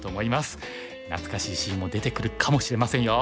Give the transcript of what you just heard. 懐かしいシーンも出てくるかもしれませんよ。